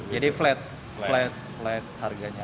jadi flat flat harganya